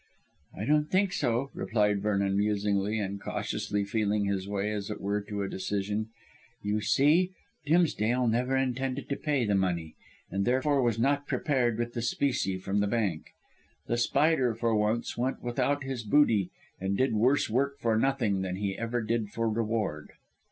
"I don't think so," replied Vernon musingly, and cautiously feeling his way, as it were, to a decision. "You see, Dimsdale never intended to pay the money, and therefore was not prepared with the specie from the bank. The Spider, for once, went without his booty, and did worse work for nothing than he ever did for reward."